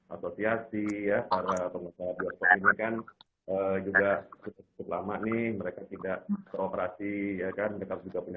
asosiasi ya para pengusaha bioskop ini juga cukup lama nih mereka tidak keroperasi mereka juga punya